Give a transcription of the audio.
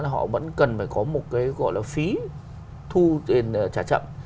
là họ vẫn cần phải có một cái gọi là phí thu tiền trả chậm